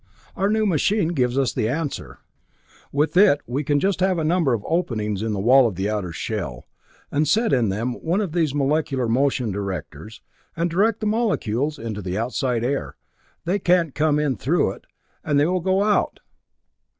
"Our new machine gives us the answer. With it we can just have a number of openings in the wall of the outer shell, and set in them one of these molecular motion directors, and direct the molecules into the outside air. They can't come in through it, and they will go out!"